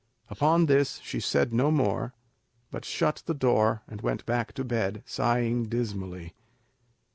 Upon this she said no more, but shut the door, and went back to bed, sighing dismally.